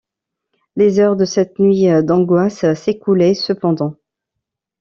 Les heures de cette nuit d’angoisses s’écoulaient cependant.